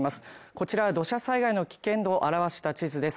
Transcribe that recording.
こちらは土砂災害の危険度を表した地図です